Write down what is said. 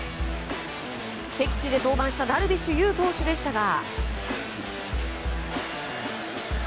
敵地で登板したダルビッシュ有投手でしたが。